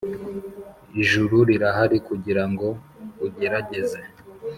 ijuru rirahari kugirango ugerageze.